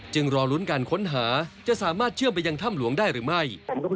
รอลุ้นการค้นหาจะสามารถเชื่อมไปยังถ้ำหลวงได้หรือไม่